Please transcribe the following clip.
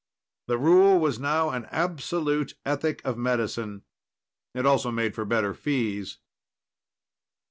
The rule was now an absolute ethic of medicine. It also made for better fees.